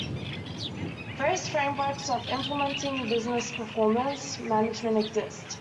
Various frameworks for implementing business performance management exist.